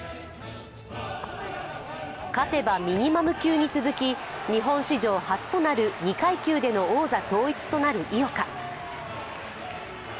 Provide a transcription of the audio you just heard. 勝てばミニマム級に続き日本史上初となる２階級での王座統一となる井岡。